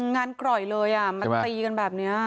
งานกร่อยเลยมันตีกันแบบนี้